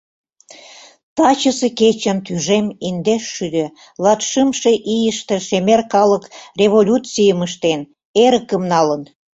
Тачысе кечын тӱжем индешшӱдӧ латшымше ийыште шемер калык революцийым ыштен, эрыкым налын.